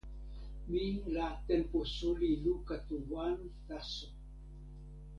mi la tenpo suli luka tu wan taso.